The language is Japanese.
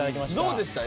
どうでした？